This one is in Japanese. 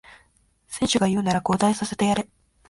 選手が言うなら交代させてやれ